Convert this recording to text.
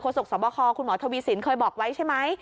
สกสบคคุณหมอทวีสินเคยบอกไว้ใช่ไหม